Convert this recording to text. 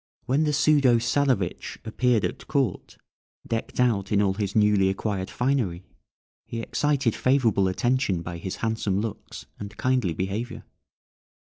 When the pseudo Czarewitch appeared at court, decked out in all his newly acquired finery, he excited favourable attention by his handsome looks and kindly behaviour.